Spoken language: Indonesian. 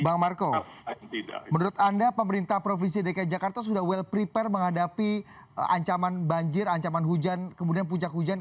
bang marco menurut anda pemerintah provinsi dki jakarta sudah well prepare menghadapi ancaman banjir ancaman hujan kemudian puncak hujan